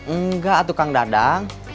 enggak tukang dadang